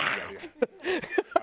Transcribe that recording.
ハハハハ！